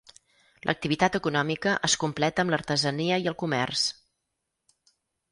L'activitat econòmica es completa amb l'artesania i el comerç.